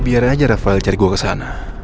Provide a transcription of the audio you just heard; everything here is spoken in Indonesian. biar aja rafael cari gue kesana